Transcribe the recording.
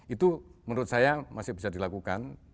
itu menurut saya masih bisa dilakukan